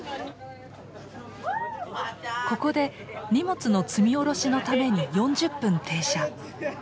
ここで荷物の積み下ろしのために４０分停車。